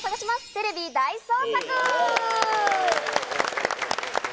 テレビ大捜索！